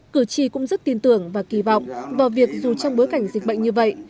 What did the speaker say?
cửu chi cũng rất tin tưởng và kỳ vọng vào việc dù trong bối cảnh dịch bệnh như vậy